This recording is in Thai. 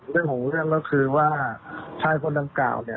เรื่องของเรื่องก็คือว่าชายคนดังกล่าวเนี่ย